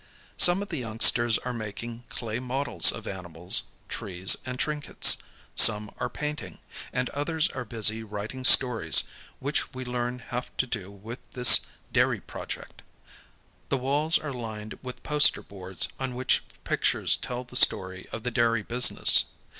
Some of the youngsters are making clay models of ani mals, trees, and trinkets; some are painting; and others are busy writing stories, which we learn have to do with this dairy project. The walls are lined with poster boards on which pictures tell the story of the dairy business.